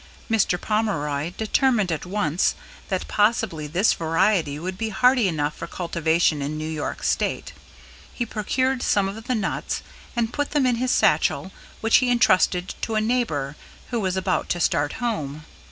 Mr. Pomeroy determined at once that possibly this variety would be hardy enough for cultivation in New York State. He procured some of the nuts and put them in his satchel which he entrusted to a neighbor who was about to start home.